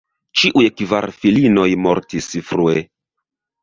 Ĉiuj kvar filinoj mortis frue.